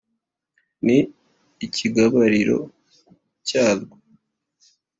Ni ikigabariro cyaryo.